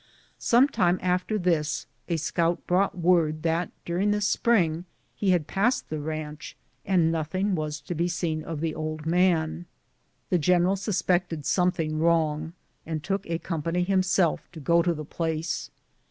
Some time after this a scout brought word that during the spring he had passed the ranch, and nothing was to be seen of the old man. The general suspected something wrong, and took a company himself to go to the place.